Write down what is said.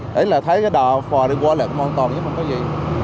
thế là thấy cái đò phò đi qua lại cũng an toàn chứ không có gì